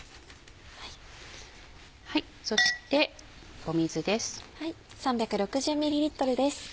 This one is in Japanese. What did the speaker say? そして水です。